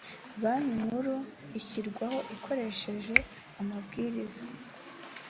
banki nkuru ishyirwaho ikoresheje amabwiriza .